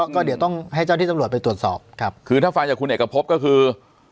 ก็เดี๋ยวต้องให้เจ้าที่จังลวดไปตรวจสอบคือถ้าฟังอย่างของนี่ก็คือ